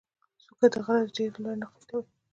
څوکه د غره د ډېرې لوړې نقطې ته وایي.